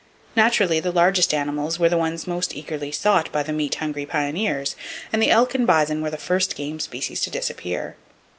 Naturally, the largest animals were the ones most eagerly sought by the meat hungry pioneers, and the elk and bison were the first game species to disappear.